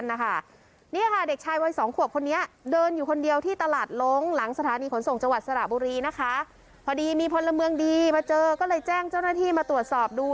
มาเจอก็เลยแจ้งเจ้าหน้าที่มาตรวจสอบดู